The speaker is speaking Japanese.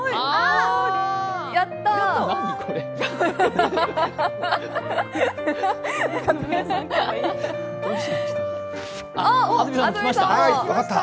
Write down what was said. やったぁ！